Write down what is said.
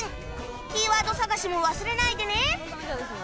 キーワード探しも忘れないでね